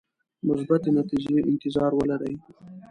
مثبتې نتیجې انتظار ولري.